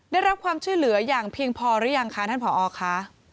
ได้รับความช่วยเหลืออย่างเพียงพอหรือยังคะท่านผอค่ะ